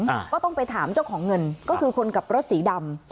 อ่าก็ต้องไปถามเจ้าของเงินก็คือคนขับรถสีดำ